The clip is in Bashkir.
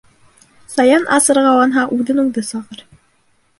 Саян асырғаланһа, үҙен-үҙе сағыр.